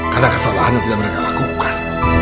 karena kesalahan yang tidak mereka lakukan